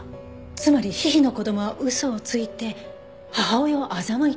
つまりヒヒの子供は嘘をついて母親を欺いた。